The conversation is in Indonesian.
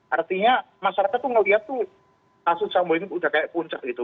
artinya masyarakat tuh melihat tuh kasus sambung itu udah kayak puncak gitu